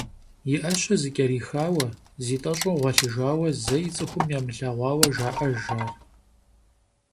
И ӏэщэ зыкӏэрихауэ, зитӏэщӏу гъуэлъыжауэ зэи цӏыхум ямылъэгъуауэ жаӏэж ар.